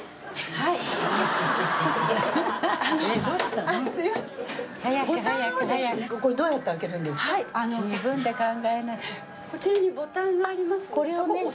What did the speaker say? はいあのこちらにボタンがありますのであっ